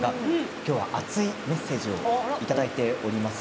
今日は熱いメッセージをいただいております。